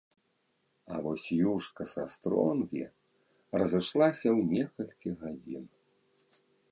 А вось юшка са стронгі разышлася ў некалькі гадзін.